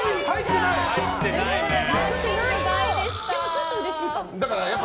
でもちょっとうれしいかも。